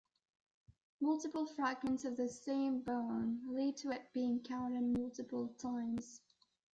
Multiple fragments of the same bone lead to it being counted multiple times.